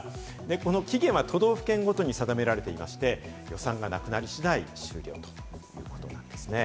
この期限は都道府県ごとに定められていまして、予算がなくなり次第終了ということなんですね。